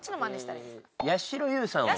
やしろ優さんを。